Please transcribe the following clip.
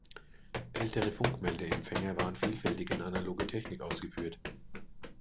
Ältere Funkmeldeempfänger waren vielfältig in analoger Technik ausgeführt.